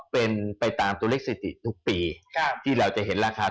แล้วตรงนี้จุดจีนก็คือเรื่องเทศกาล